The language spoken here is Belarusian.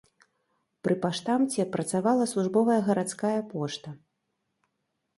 Пры паштамце працавала службовая гарадская пошта.